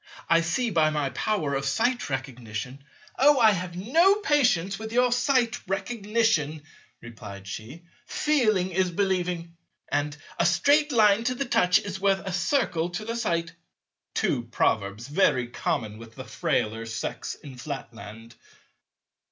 I see by my power of Sight Recognition—" "Oh, I have no patience with your Sight Recognition," replied she, "'Feeling is believing' and 'A Straight Line to the touch is worth a Circle to the sight'"—two Proverbs, very common with the Frailer Sex in Flatland.